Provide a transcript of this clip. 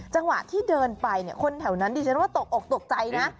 จังหวะที่เดินไปเนี่ยคนแถวนั้นดิฉันว่าตกออกตกใจนะ